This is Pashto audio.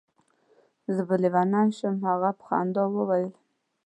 زه به لېونی شم. هغه په خندا وویل.